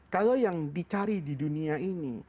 kalau yang dicari di dunia ini